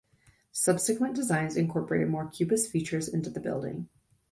Subsequent designs incorporated more Cubist features into the building.